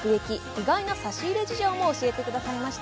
意外な差し入れ事情も教えてくださいました。